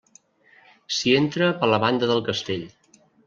S'hi entra per la banda del castell.